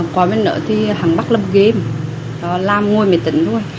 có mấy nợ thì hẳn bắt lâm game làm ngôi miệng tỉnh thôi